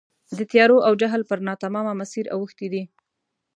د تیارو او جهل پر ناتمامه مسیر اوښتي دي.